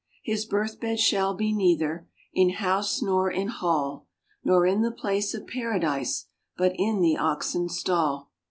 "His birth bed shall be neither In housen nor in hall, Nor in the place of paradise, But in the oxen's stall.